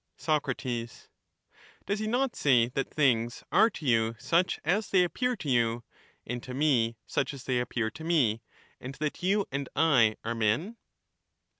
f l*th"^s Sac, Doeis he not say that things are to you such as they a™ as they appear to you, and to me such as they appear to me, and that yo^or me you and I are men